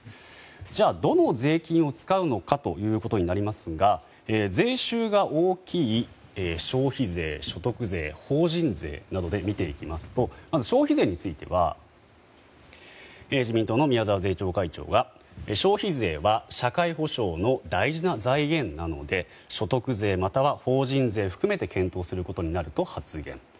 じゃあ、どの税金を使うのかということになりますが税収が大きい消費税所得税、法人税などで見ていきますとまず消費税については自民党の宮沢税調会長は消費税は社会保障の大事な財源なので所得税または法人税含めて検討することになると発言。